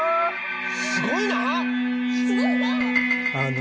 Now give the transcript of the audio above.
すごいなあ！